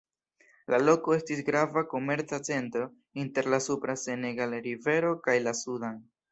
La loko estis grava komerca centro inter la supra Senegal-rivero kaj la Sudan.